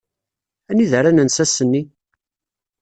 Anida ara nens ass-nni?